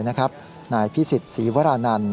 นายพิสิทธิ์ศรีวรานันต์